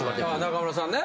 中村さんね。